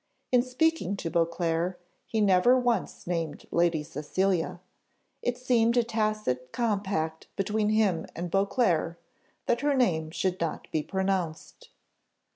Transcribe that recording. In speaking to Beauclerc, he never once named Lady Cecilia; it seemed a tacit compact between him and Beauclerc, that her name should not be pronounced.